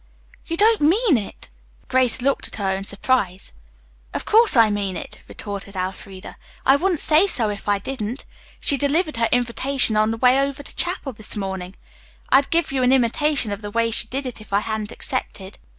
"You don't mean it!" Grace looked her surprise. "Of course I mean it," retorted Elfreda. "I wouldn't say so if I didn't. She delivered her invitation on the way over to chapel this morning. I'd give you an imitation of the way she did it if I hadn't accepted."